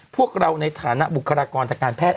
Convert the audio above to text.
พวกเราในฐานะบุคลากรทางการแพทย